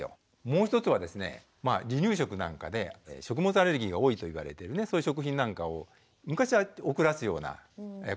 もう１つはですね離乳食なんかで食物アレルギーが多いと言われてるそういう食品なんかを昔は遅らすようなことが多かったんですが。